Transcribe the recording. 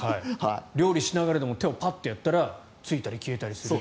料理しながらでも手をパッとやったらついたり消したり。